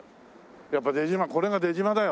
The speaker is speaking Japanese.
やっぱ出島これが出島だよ。